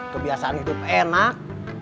kebiasaan hidup enak